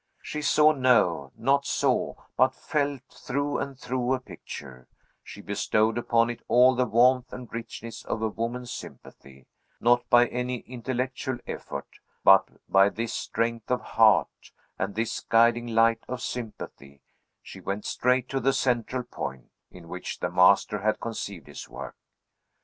She saw no, not saw, but felt through and through a picture; she bestowed upon it all the warmth and richness of a woman's sympathy; not by any intellectual effort, but by this strength of heart, and this guiding light of sympathy, she went straight to the central point, in which the master had conceived his work.